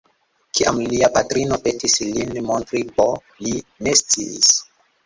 Kiam lia patrino petis lin montri B, li ne sciis.